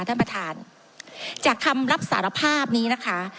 ท่านประธานจากคำรับสารภาพนี้นะคะ